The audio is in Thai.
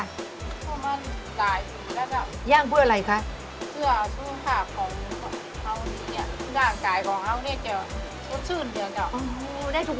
ก็มันหลายส่วนู้นล่ะจ้าก